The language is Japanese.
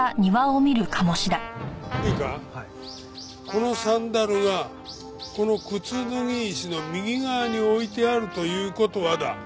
このサンダルがこの沓脱石の右側に置いてあるという事はだ。